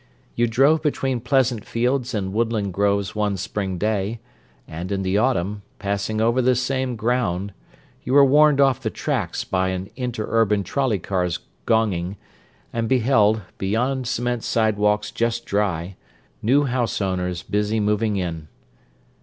You drove between pleasant fields and woodland groves one spring day; and in the autumn, passing over the same ground, you were warned off the tracks by an interurban trolley car's gonging, and beheld, beyond cement sidewalks just dry, new house owners busy "moving in."